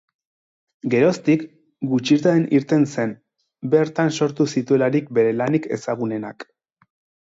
Geroztik, gutxitan irten zen, bertan sortu zituelarik bere lanik ezagunenak.